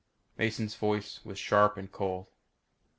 Mason's voice was sharp and cold.